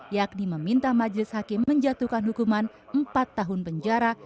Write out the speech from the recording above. yakni meminta majelis hakim menjatuhkan hukuman empat tahun penjara